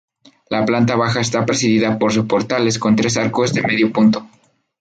La planta baja está presidida por soportales con tres arcos de medio punto.